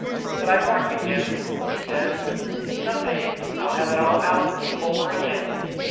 But I warn you, Doone,' he says, 'someday I'll have it all out with you over again.'